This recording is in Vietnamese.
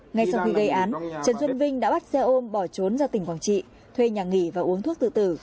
ngay sau khi gây án trần xuân vinh đã bắt xe ôm bỏ trốn ra tỉnh quảng trị thuê nhà nghỉ và uống thuốc tự tử